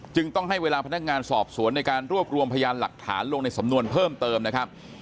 ต้องให้เวลาพนักงานสอบสวนในการรวบรวมพยานหลักฐานลงในสำนวนเพิ่มเติมนะครับ